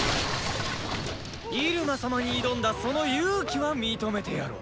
入間様に挑んだその勇気は認めてやろう。